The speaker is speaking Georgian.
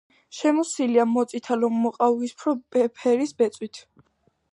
შემოსილია მოწითალო-მოყავისფრო ფერის ბეწვით.